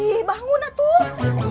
ih bangunlah tuh